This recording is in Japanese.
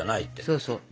そうそう。